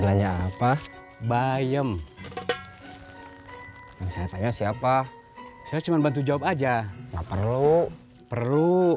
nanya apa bayem saya tanya siapa saya cuma bantu jawab aja tak perlu perlu